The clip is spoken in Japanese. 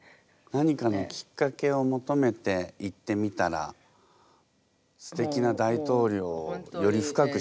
何かのきっかけを求めて行ってみたらステキな大統領をより深く知ることができて。